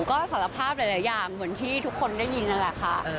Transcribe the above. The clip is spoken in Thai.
ก็สารภาพหลายอย่างเหมือนที่ทุกคนได้ยินนั่นแหละค่ะ